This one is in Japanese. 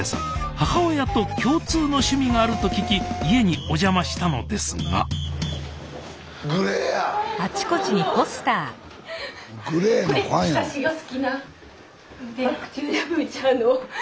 母親と共通の趣味があると聞き家にお邪魔したのですがこれ私が好きな。